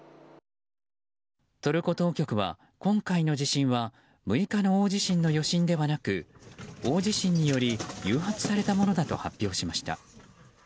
トルコ当局は、今回の地震は６日の大地震の余震ではなく大地震により誘発されたものだと発表しました。